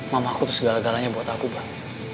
mamah aku tuh segala galanya buat aku mbah